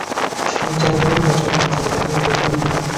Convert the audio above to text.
আমি চায়ের দোকানে কাজ করতাম, স্যার, গ্রামের প্রথম মোড়ে!